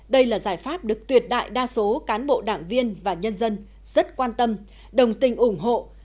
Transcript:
đây là giải pháp được tuyệt đại đa số cán bộ đảng viên và nhân dân rất quan tâm đồng tình ủng hộ